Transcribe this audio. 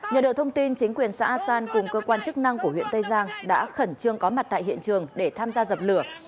nhờ được thông tin chính quyền xã a san cùng cơ quan chức năng của huyện tây giang đã khẩn trương có mặt tại hiện trường để tham gia dập lửa